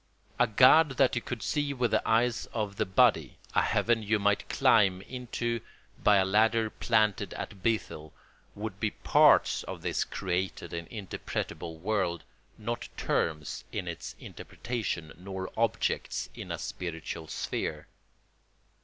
A God that you could see with the eyes of the body, a heaven you might climb into by a ladder planted at Bethel, would be parts of this created and interpretable world, not terms in its interpretation nor objects in a spiritual sphere.